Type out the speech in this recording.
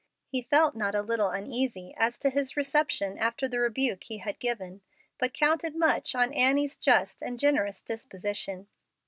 He felt not a little uneasy as to his reception after the rebuke he had given, but counted much on Annie's just and generous disposition.